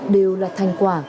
đều là thành quả